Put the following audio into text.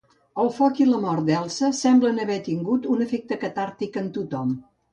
El foc i la mort de l'Elsa semblen haver tingut un efecte catàrtic en tothom.